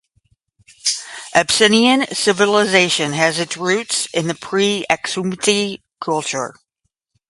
Abyssinian civilization has its roots in the pre-Aksumite culture.